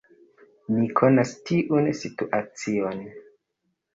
Ni konas tiun situacion.